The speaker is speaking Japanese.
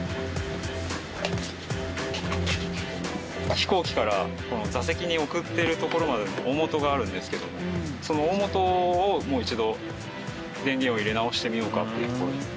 飛行機から座席に送っているところまでの大本があるんですけどもその大本をもう一度電源を入れ直してみようかっていうところです。